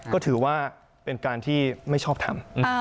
ก็ถือว่าเป็นการที่ไม่ชอบทำ